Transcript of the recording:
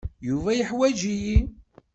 Yuba yeḥwaǧ-iyi.